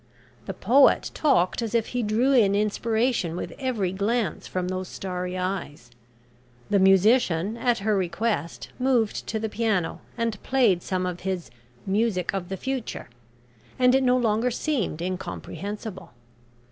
The poet talked as if he drew in inspiration with every glance from those starry eyes, the musician at her request moved to the piano and played some of his "Music of the Future," and it no longer seemed incomprehensible.